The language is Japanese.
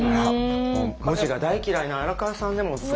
文字が大嫌いな荒川さんでもすごく。